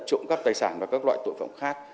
trộm cắp tài sản và các loại tội phạm khác